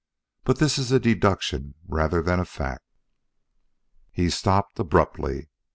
But this is a deduction rather than a fact." He stopped abruptly.